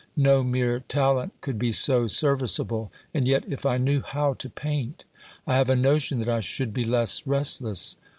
No mere talent could be so serviceable; and yet if I knew how to paint, I have a notion that I should be less restless.